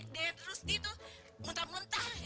dan ruzdi tuh muntah muntah